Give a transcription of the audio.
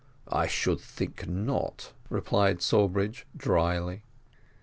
"I should think not," replied Sawbridge dryly.